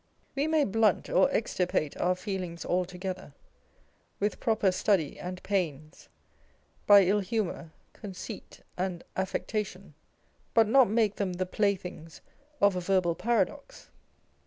We may blunt or extirpate our feelings altogether with proper study and pains, hy ill humour, conceit, and affec tation, but not make them the playthings of a verbal paradox.